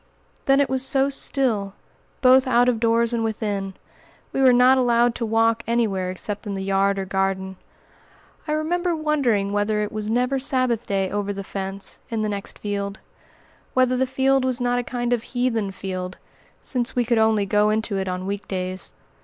Then it was so still, both out of doors and within! We were not allowed to walk anywhere except in the yard or garden. I remember wondering whether it was never Sabbath day over the fence, in the next field; whether the field was not a kind of heathen field, since we could only go into it on week days.